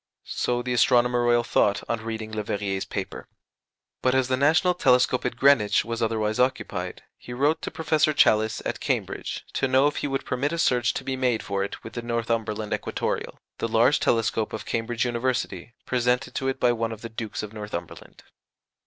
So the Astronomer Royal thought on reading Leverrier's paper. But as the national telescope at Greenwich was otherwise occupied, he wrote to Professor Challis, at Cambridge, to know if he would permit a search to be made for it with the Northumberland Equatoreal, the large telescope of Cambridge University, presented to it by one of the Dukes of Northumberland.